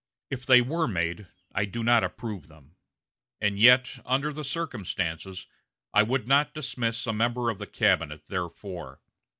If they were made, I do not approve them; and yet, under the circumstances, I would not dismiss a member of the cabinet therefore.